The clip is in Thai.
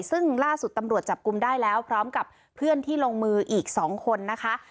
ซึ่งล่าสุดตำรวจจับกลุ่มได้แล้วพร้อมกับเพื่อนที่ลงมืออีก๒คนนะคะ